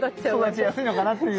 育ちやすいのかなっていう。